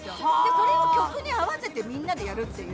それを曲に合わせてみんなでやるっていう。